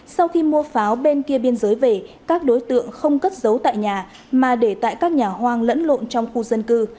sau khi mua pháo bên kia biên giới về các đối tượng không cất giấu tại nhà mà để tại các nhà hoang lẫn lộn trong khu dân cư